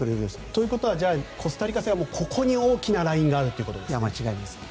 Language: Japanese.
ということはコスタリカ戦はここにラインがあるということですね。